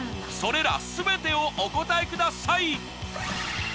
それら全てをお答えください！